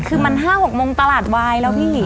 คือมัน๕๖โมงตลาดวายแล้วพี่